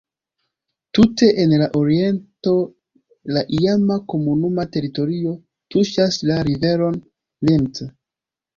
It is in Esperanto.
Tute en la oriento la iama komunuma teritorio tuŝas la riveron Linth.